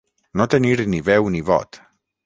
No tenir ni veu ni vot.